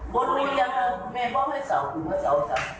ไม่รู้อย่างไรแม่บอกให้สาวคุณบอกให้สาว